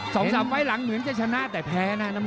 สองสามไฟล์หลังเหมือนจะชนะแต่แพ้นะน้ำ